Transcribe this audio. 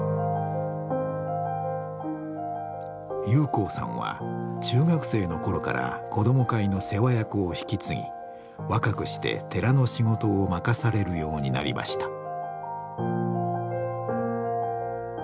裕光さんは中学生の頃から子ども会の世話役を引き継ぎ若くして寺の仕事を任されるようになりました。